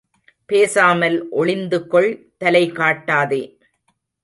பேசாமல் ஒளிந்துகொள் தலைகாட்டாதே.